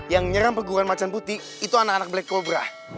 yang menyerang perguruan macan putih itu anak anak black cobra